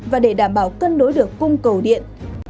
và để đảm bảo cân đối được cung cầu điện